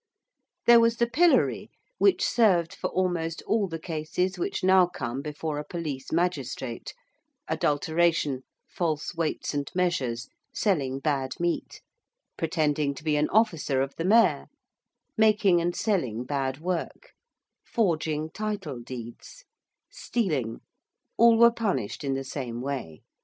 There was the pillory, which served for almost all the cases which now come before a police magistrate adulteration, false weights and measures, selling bad meat: pretending to be an officer of the Mayor: making and selling bad work: forging title deeds; stealing all were punished in the same way.